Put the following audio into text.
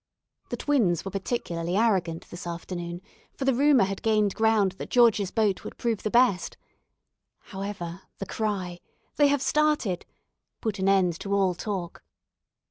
The "Twins" were particularly arrogant this afternoon, for the rumour had gained ground that George's boat would prove the best. However, the cry, "They have started," put an end to all talk.